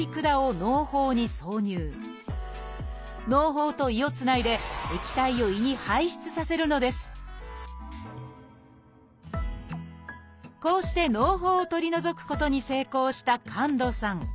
のう胞と胃をつないで液体を胃に排出させるのですこうしてのう胞を取り除くことに成功した神門さん。